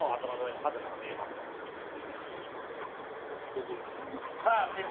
どこなの？